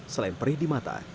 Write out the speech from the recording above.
selain perih di mata